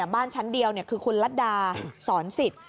บ้านชั้นเดียวคือคุณลัทดาศรสิต